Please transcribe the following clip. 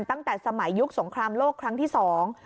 ตั้งแต่สมัยยุคสงครามโลกครั้งที่สอง